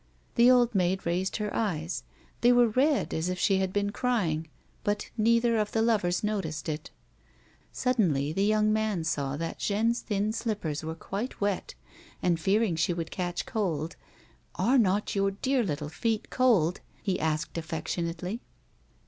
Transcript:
The old maid raised her eyes ; they were red as if she had been crying, but neither of the lovers noticed it. Suddenly the young man saw that Jeanne's thin slippers were quite wet, and fearing she would catch cold :" Are not your dear little feet cold ?" he asked affection ately.